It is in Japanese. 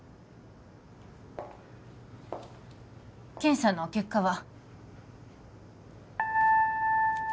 検査の結果は？